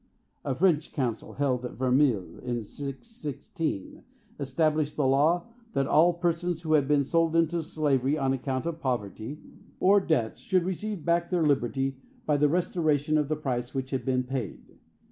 A French council, held in Verneuil in 616, established the law that all persons who had been sold into slavery on account of poverty or debt should receive back their liberty by the restoration of the price which had been paid.